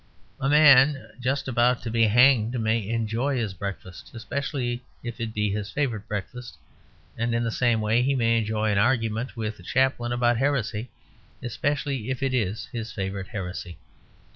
A man just about to be hanged may enjoy his breakfast; especially if it be his favourite breakfast; and in the same way he may enjoy an argument with the chaplain about heresy, especially if it is his favourite heresy.